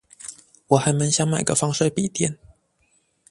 我還滿想買個防水筆電